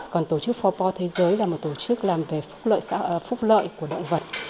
còn tổ chức bốn po thế giới là một tổ chức làm về phúc lợi của động vật